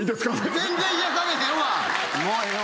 全然癒されへんわ！